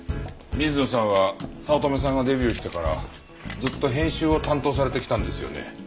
水野さんは早乙女さんがデビューしてからずっと編集を担当されてきたんですよね？